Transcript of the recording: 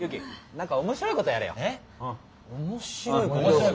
何か面白いことやれよ。